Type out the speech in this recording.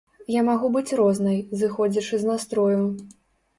Я магу быць рознай, зыходзячы з настрою.